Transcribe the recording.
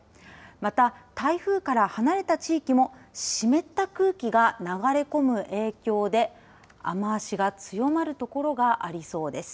また、台風から離れた地域も湿った空気が流れ込む影響で雨足が強まる所がありそうです。